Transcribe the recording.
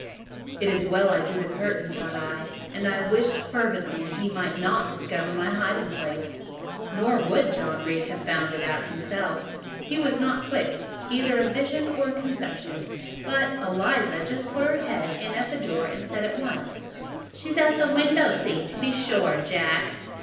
"It is well I drew the curtain," thought I; and I wished fervently he might not discover my hiding place: nor would John Reed have found it out himself; he was not quick either of vision or conception; but Eliza just put her head in at the door, and said at once— "She is in the window seat, to be sure, Jack."